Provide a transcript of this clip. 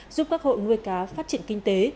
giúp các hội nuôi cá phát triển kinh tế